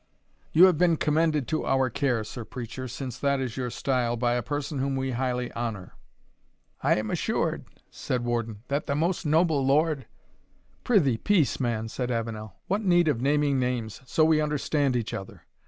"You have been commended to our care, Sir Preacher, since that is your style, by a person whom we highly honour." "I am assured," said Warden, "that the most noble Lord " "Prithee, peace, man," said Avenel; "what need of naming names, so we understand each other?